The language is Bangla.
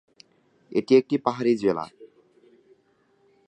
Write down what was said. এটি একটি পাহাড়ী জেলা।